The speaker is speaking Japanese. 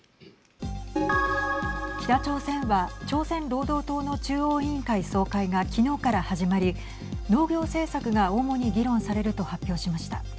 北朝鮮は朝鮮労働党の中央委員会総会が昨日から始まり農業政策が主に議論されると発表しました。